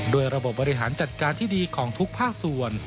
โดยระบบบบริหารจัดการที่ดีของทุกภาคส่วน